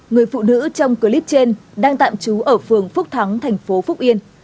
người phụ nữ trong clip trên đang tạm trú ở phường phúc thắng tp phúc yên